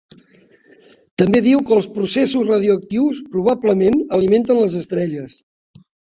També diu que els processos radioactius probablement alimenten les estrelles.